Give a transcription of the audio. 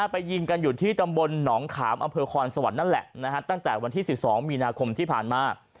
ไปยิงกันอยู่ที่ตำบลหนองขามอำเภอคอนสวรรค์นั่นแหละตั้งแต่วันที่๑๒มีนาคมที่ผ่านมา